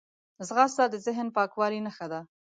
ځغاسته د ذهن پاکوالي نښه ده